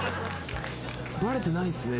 バレてないっすね。